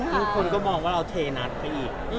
ทุกคนก็มองว่าเราเทนัดไปอีก